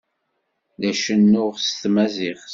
La cennuɣ s tmaziɣt.